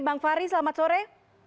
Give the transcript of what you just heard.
bang fahri selamat sore